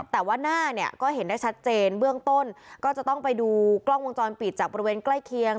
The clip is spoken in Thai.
แต่ว่าหน้าเนี่ยก็เห็นได้ชัดเจนเบื้องต้นก็จะต้องไปดูกล้องวงจรปิดจากบริเวณใกล้เคียง